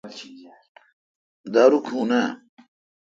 دارو کھون اے°۔